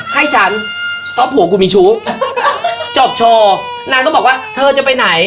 ให้ฉันเพราะผัวกูมีชู้จบโชว์นางก็บอกว่าเธอจะไปไหน